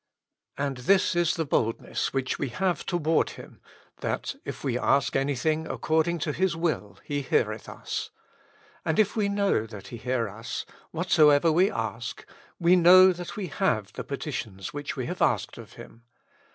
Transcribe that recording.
And this is the boldness which we have toward Hijn^ that^ if we ASK ANYTHING ACCORDING TO HiS WILL, He heareth us. Attd if we know that He hear us, WHATSO EVER WE ASK, we know that wE HAVE THE PETITIONS which we have asked of Him.